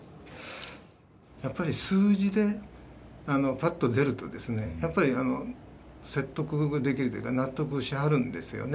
やっぱり数字でぱっと出ると、やっぱり説得できるというか、納得しはるんですよね。